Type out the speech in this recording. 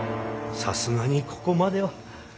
さすがにここまでは。